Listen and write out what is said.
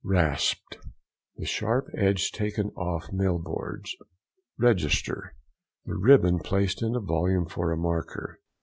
RASPED.—The sharp edge taken off mill boards. REGISTER.—The ribbon placed in a volume for a marker.